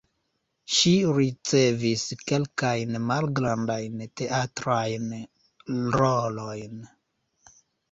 Ŝi ricevis kelkajn malgrandajn teatrajn rolojn.